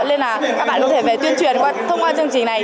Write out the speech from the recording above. nên là các bạn có thể về tuyên truyền thông qua chương trình này